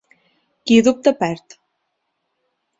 Qui dubta perd.